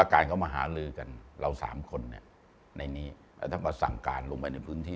กานของมหาลือกันเรา๓คณเนี่ยนี่รับศักดิ์การลงไปในพื้นที่